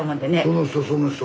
その人その人。